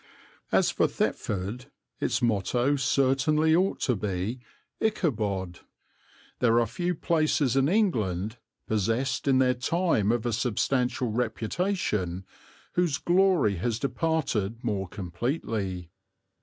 As for Thetford, its motto certainly ought to be "Ichabod." There are few places in England, possessed in their time of a substantial reputation, whose glory has departed more completely.